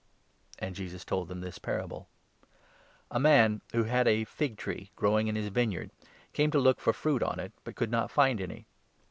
And Jesus told them this parable — 6 Th "A man, who had a fig tree growing in his barren vineyard, came to look for fruit on it, but r\f Tree, could not find any.